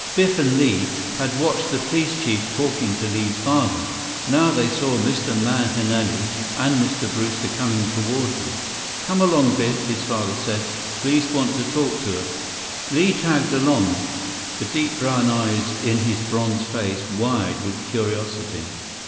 Biff and Li had watched the police chief talking to Li's father. Now they saw Mr. Mahenili and Mr. Brewster coming toward them. "Come along, Biff," his father said. "Police want to talk to us." Li tagged along, the deep brown eyes in his bronze face wide with curiosity.